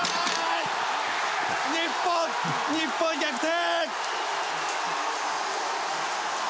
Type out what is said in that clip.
日本、日本逆転！